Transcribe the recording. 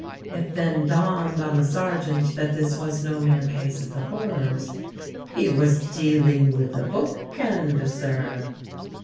It then dawned on the sergeant that this was no mere case of the horrors he was dealing with a book canvasser.